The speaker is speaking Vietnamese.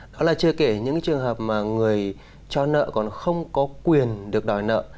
đó là chưa kể những trường hợp mà người cho nợ còn không có quyền được đòi nợ